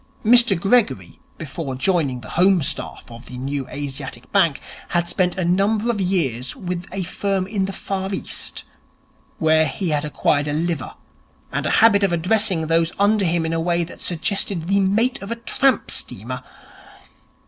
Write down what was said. Mr Gregory, before joining the home staff of the New Asiatic Bank, had spent a number of years with a firm in the Far East, where he had acquired a liver and a habit of addressing those under him in a way that suggested the mate of a tramp steamer.